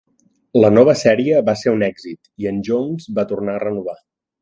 La nova sèrie va ser un èxit, i en Jones va tornar a renovar.